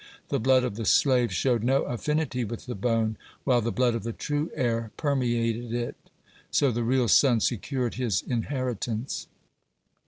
The blood of the slave showed no affinity with the bone, while the blood of the true heir permeated it. So the real son secured his inheritance.